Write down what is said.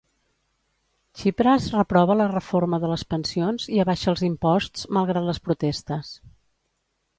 Tsipras reprova la reforma de les pensions i abaixa els imposts, malgrat les protestes.